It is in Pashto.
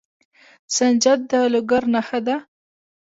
سنجد د لوګر نښه ده.